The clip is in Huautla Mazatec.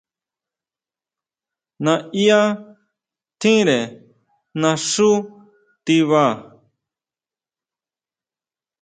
Naʼyá tjínre naxú tiba.